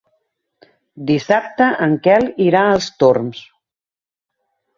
Dissabte en Quel irà als Torms.